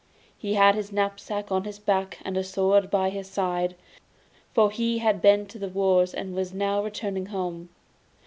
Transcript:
He had his knapsack on his back and a sword by his side, for he had been to the wars and was now returning home.